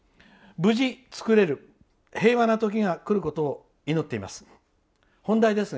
無事、作れる平和なときが来ることを祈っています。